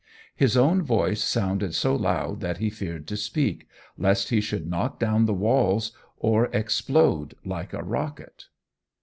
His own voice sounded so loud that he feared to speak, lest he should knock down the walls or explode like a rocket.